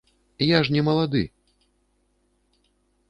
Я ж не малады!